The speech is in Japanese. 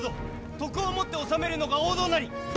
徳をもって治めるのが王道なり！